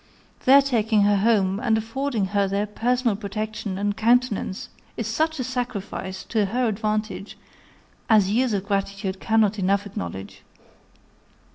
Their taking her home, and affording her their personal protection and countenance, is such a sacrifice to her advantage as years of gratitude cannot enough acknowledge.